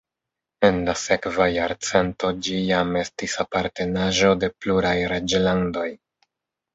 En la sekva jarcento ĝi jam estis apartenaĵo de pluraj reĝlandoj.